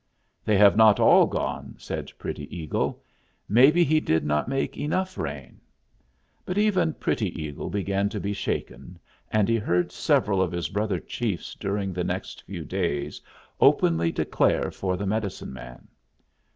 "They have not all gone," said Pretty Eagle. "Maybe he did not make enough rain." But even Pretty Eagle began to be shaken, and he heard several of his brother chiefs during the next few days openly declare for the medicine man.